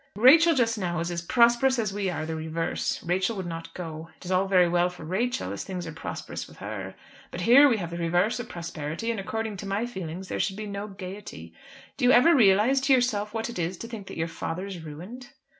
"Rachel just now is as prosperous as we are the reverse. Rachel would not go. It is all very well for Rachel, as things are prosperous with her. But here we have the reverse of prosperity, and according to my feelings there should be no gaiety. Do you ever realise to yourself what it is to think that your father is ruined?"